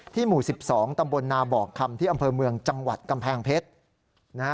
หมู่๑๒ตำบลนาบอกคำที่อำเภอเมืองจังหวัดกำแพงเพชรนะฮะ